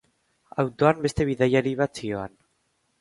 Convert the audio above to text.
Autoan beste bidaiari bat zihoan.